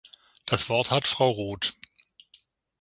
Das Wort hat Frau Roth.